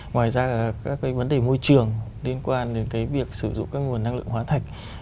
ngoài ra các cái vấn đề môi trường liên quan đến cái việc sử dụng các nguồn năng lượng hóa thạch